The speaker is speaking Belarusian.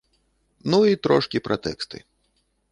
Ну, і трошкі пра тэксты.